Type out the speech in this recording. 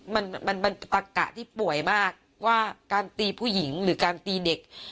มันมันตะกะที่ป่วยมากว่าการตีผู้หญิงหรือการตีเด็ก